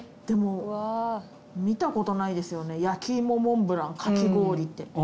でも見たことないですよね焼き芋モンブランかき氷って。